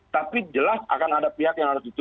tapi jelas akan ada pihak yang harus ditutup